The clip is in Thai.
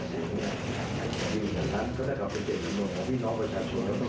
ถ้ามีมากกว่า๓๐๐เสียงเนี่ยใครจะยืนอย่างนั้น